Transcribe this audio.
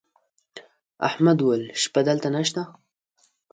احمد وويل: شپه دلته نشته.